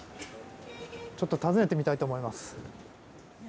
ちょっと訪ねてみたいと思います。